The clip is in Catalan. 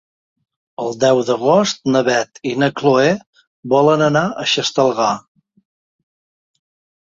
El deu d'agost na Beth i na Chloé volen anar a Xestalgar.